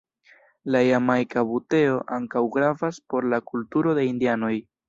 La Jamajka buteo ankaŭ gravas por la kulturo de indianoj.